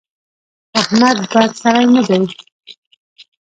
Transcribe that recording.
احمد بد سړی نه دی.